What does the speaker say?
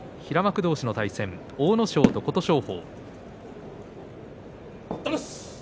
平幕同士の対戦、阿武咲と琴勝峰。